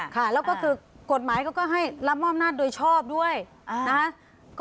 ค่ะแล้วก็คือกฎหมายเขาก็ให้รับมอบอำนาจโดยชอบด้วยนะคะ